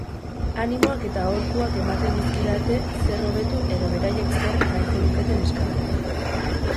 Animoak eta aholkuak ematen dizkidate zer hobetu edo beraiek zer nahiko luketen eskatuz.